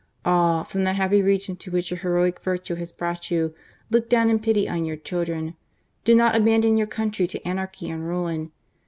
Ah! from that happy region to which your heroic virtue has brought you, look down in pity on your children ! Do not abandon your country to anarchy and ruin